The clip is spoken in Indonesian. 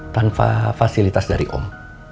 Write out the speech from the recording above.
tanpa fasilitas dari om